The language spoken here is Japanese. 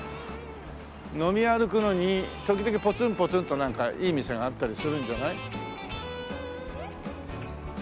飲み歩くのに時々ポツンポツンとなんかいい店があったりするんじゃない？